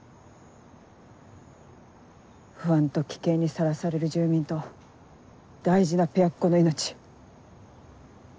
不安と危険にさらされる住民と大事なペアっ子の命。